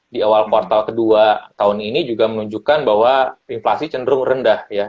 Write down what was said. di awal kuartal kedua tahun ini juga menunjukkan bahwa inflasi cenderung rendah ya